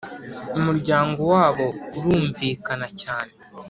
umuryango wabo urumvika cyane